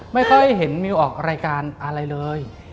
ไม่ค่อยเห็นมิวออกรายการอะไรเลย